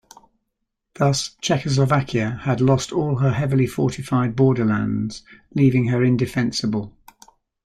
Thus Czechoslovakia had lost all her heavily fortified borderlands, leaving her indefensible.